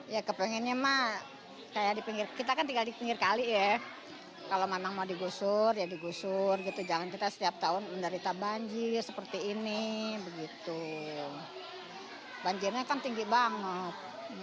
ya kepengennya mah kayak di pinggir kita kan tinggal di pinggir kali ya kalau memang mau digusur ya digusur gitu jangan kita setiap tahun menderita banjir seperti ini begitu banjirnya kan tinggi banget